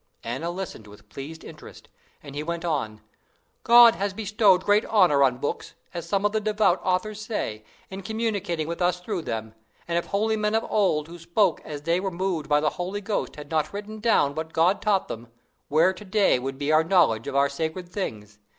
Anna listened with pleased interest, and he went on: "God has bestowed great honor on books, as some of the devout authors say, in communicating with us through them; and if holy men of old who spoke as they were moved by the Holy Ghost had not written down what God taught them, where to day would be our knowledge of our sacred things?